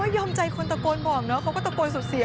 ยอมใจคนตะโกนบอกเนอะเขาก็ตะโกนสุดเสีย